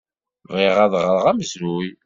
Bɣiɣ ad ɣreɣ amezruy.